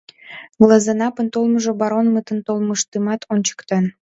Глазенаппын толмыжо баронмытын толмыштымат ончыктен.